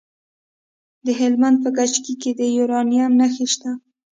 د هلمند په کجکي کې د یورانیم نښې شته.